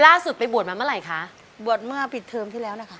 ล่าสุดไปบวชมาเมื่อไหร่คะบวชเมื่อปิดเทอมที่แล้วนะคะ